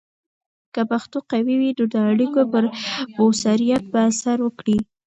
که پښتو قوي وي، نو د اړیکو پر مؤثریت به اثر وکړي.